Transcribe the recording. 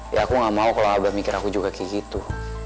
ya aku gak mau kalau ada mikir aku juga kayak gitu